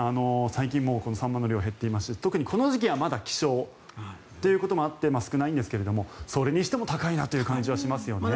最近、サンマの量が減っていますし特にこの時期はまだ希少ということもあって少ないんですがそれにしても高いなという感じはしますね。